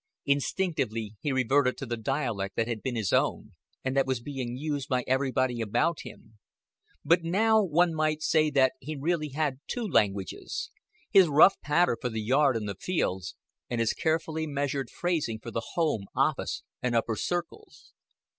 Instinctively he reverted to the dialect that had been his own, and that was being used by everybody about him; but now one might say that he really had two languages his rough patter for the yard and the fields, and his carefully measured phrasing for the home, office, and upper circles.